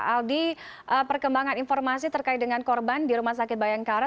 aldi perkembangan informasi terkait dengan korban di rumah sakit bayangkara